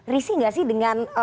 risi gak sih dengan